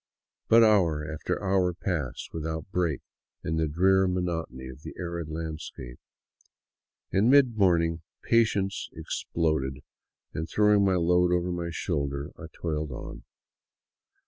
But hour after hour passed without a break in the drear monotony of the arid landscape. In mid morning patience exploded and, throwing my load over a shoulder, I toiled on.